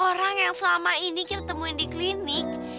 orang yang selama ini kita temuin di klinik